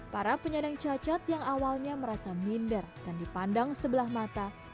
para penyandang cacat yang awalnya merasa minder dan dipandang sebelah mata